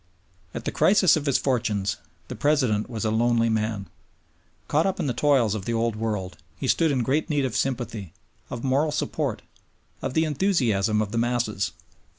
At the crisis of his fortunes the President was a lonely man. Caught up in the toils of the Old World, he stood in great need of sympathy, of moral support, of the enthusiasm of masses.